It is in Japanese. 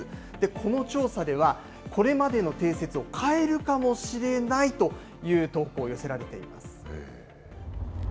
この調査では、これまでの定説を変えるかもしれないという投稿、寄せられています。